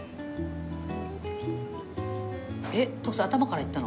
えっ徳さん頭からいったの？